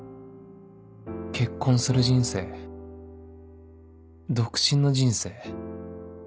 結婚する人生独身の人生